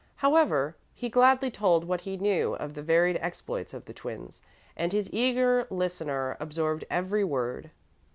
However, he gladly told what he knew of the varied exploits of the twins, and his eager listener absorbed every word.